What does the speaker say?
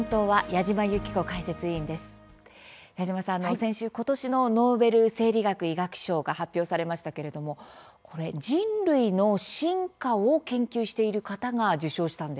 矢島さん、先週今年のノーベル生理学・医学賞が発表されましたけれども人類の進化を研究している方が受賞したんですね。